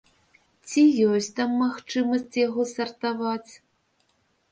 Ці ёсць там магчымасць яго сартаваць?